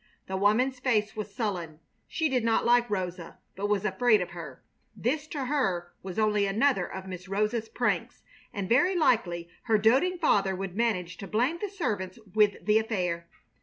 The woman's face was sullen. She did not like Rosa, but was afraid of her. This to her was only another of Miss Rosa's pranks, and very likely her doting father would manage to blame the servants with the affair.